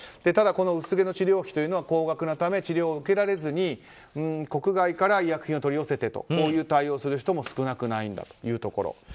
ただ、この薄毛の治療費は高額なため、治療が受けられずに国外から医薬品を取り寄せる対応をする人も少なくないんだというところ。